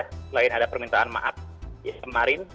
selain ada permintaan maaf kemarin